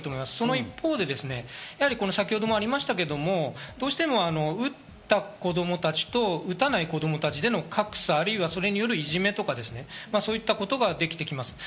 一方で先ほどもありましたけど、どうしても打った子供たちと打たない子供たちでの格差、あるいはそれによるいじめとか、そういったことができてきます。